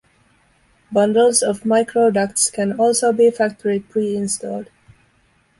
Bundles of microducts can also be factory pre-installed.